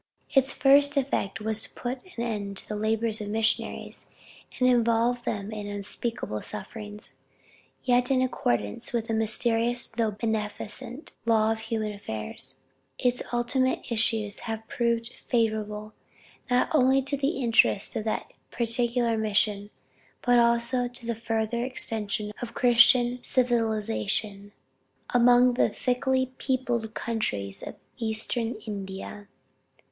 "Its first effect was to put an end to the labors of the missionaries, and involve them in unspeakable sufferings, yet in accordance with a mysterious though beneficent law of human affairs, its ultimate issues have proved favorable not only to the interests of that particular mission, but also to the further extension of Christian civilization among the thickly peopled countries of Eastern India.